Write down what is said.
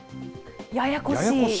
ややこしい。